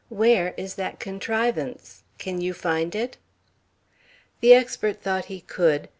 Where is that contrivance? Can you find it?" The expert thought he could.